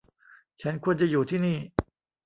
ฉันควรจะอยู่ที่นี่